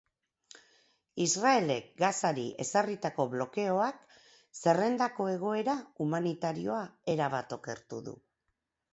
Israelek Gazari ezarritako blokeoak zerrendako egoera humanitarioa erabat okertu du.